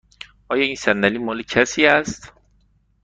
آیا این صندلی مال کسی است؟